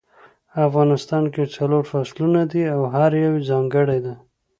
افغانستان کې څلور فصلونه دي او هر یو ځانګړی ده